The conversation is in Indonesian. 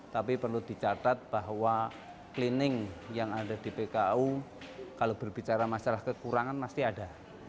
tapi perlu dicatat bahwa cleaning yang ada di pku kalau berbicara masalah kekurangan pasti ada